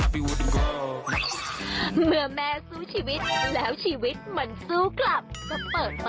พึ่งโดยแชลเอิท